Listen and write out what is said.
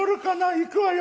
行くわよ。